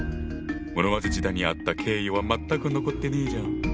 室町時代にあった敬意は全く残ってねえじゃん！